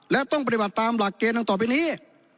และต้องปฏิบัติตามหลักเกณฑ์ดังต่อไปนี้